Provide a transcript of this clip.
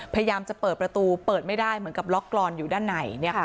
พยายามจะเปิดประตูเปิดไม่ได้เหมือนกับล็อกกรอนอยู่ด้านใน